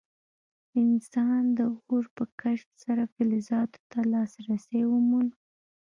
انسان د اور په کشف سره فلزاتو ته لاسرسی وموند.